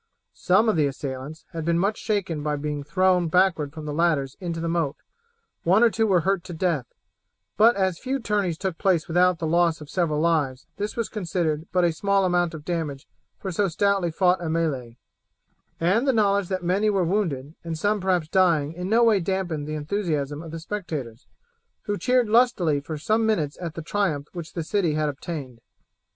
Some of the assailants had been much shaken by being thrown backward from the ladders into the moat, one or two were hurt to death; but as few tourneys took place without the loss of several lives, this was considered but a small amount of damage for so stoutly fought a melee, and the knowledge that many were wounded, and some perhaps dying, in no way damped the enthusiasm of the spectators, who cheered lustily for some minutes at the triumph which the city had obtained.